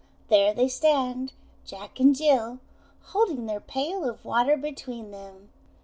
There they stand, Juke and Bil, holding their pail of water between them.